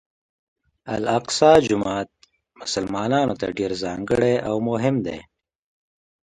الاقصی جومات مسلمانانو ته ډېر ځانګړی او مهم دی.